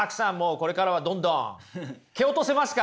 これからはどんどん蹴落とせますか？